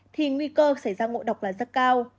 thì nguy cơ xảy ra ngộ độc là rất cao